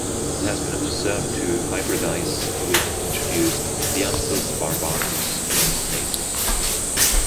It has been observed to hybridise with introduced "Dianthus barbatus", when native.